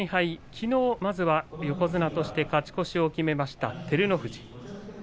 きのうまずは横綱として勝ち越しを決めました、照ノ富士。